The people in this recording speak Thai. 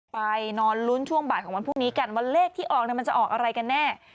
ไปนอนลุ้นช่วงบ่ายของวันพรุ่งนี้กันว่าเลขที่ออกมันจะออกอะไรกันแน่